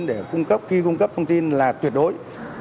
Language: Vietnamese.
để cung cấp khi cung cấp thông tin là tuyệt đối